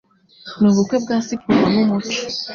nubukwe bwa siporo numuco